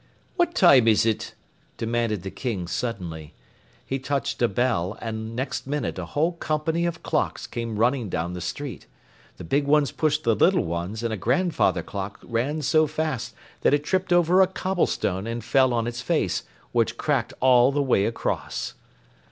"What time is it?" demanded the King suddenly. He touched a bell, and next minute a whole company of clocks came running down the street. The big ones pushed the little ones, and a grandfather clock ran so fast that it tripped over a cobblestone and fell on its face, which cracked all the way across.